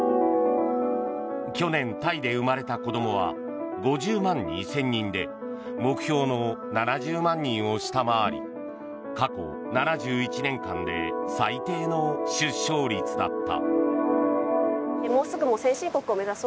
去年、タイで生まれた子どもは５０万２０００人で目標の７０万人を下回り過去７１年間で最低の出生率だった。